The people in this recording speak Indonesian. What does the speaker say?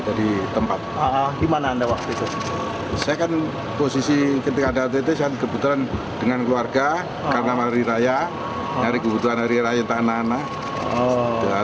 saya kan posisi ketika ada ott saya kebetulan dengan keluarga karena hari raya hari kebutuhan hari raya tak ada anak anak